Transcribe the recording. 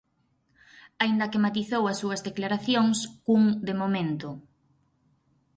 Aínda que matizou as súas declaracións cun de momento.